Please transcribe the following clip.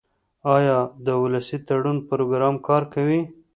آیا د ولسي تړون پروګرام کار کوي؟